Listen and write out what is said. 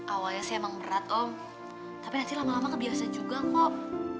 awalnya sih emang berat om tapi nanti lama lama kebiasa juga kok